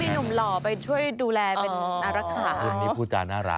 เป็นนุ่มหล่อไปช่วยดูแลอรักษา